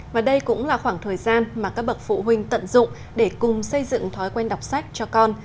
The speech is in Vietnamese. và đây cũng là khoảng thời gian mà các bậc phụ huynh tận dụng để cùng xây dựng thói quen đọc sách cho con